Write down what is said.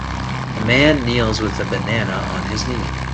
A man kneels with a banana on his knee.